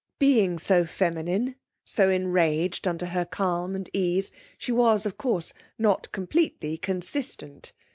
Being so feminine, so enraged under her calm and ease, she was, of course, not completely consistent.